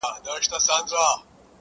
كله _كله يې ديدن تــه لـيونـى سم _